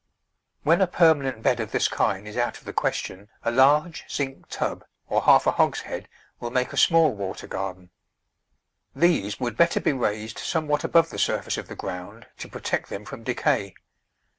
When a permanent bed of this kind is out of the question, a large zinc tub, or half a hogshead, will make a small water garden. These would better be raised somewhat above the surface of the ground to protect them from decay.